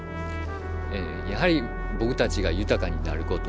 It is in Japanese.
やはり僕たちが豊かになること。